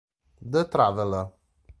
The Traveller